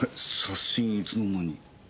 写真いつの間に。